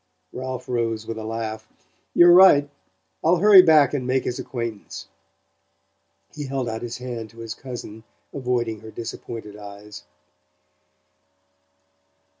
Ralph rose with a laugh. "You're right. I'll hurry back and make his acquaintance." He held out his hand to his cousin, avoiding her disappointed eyes.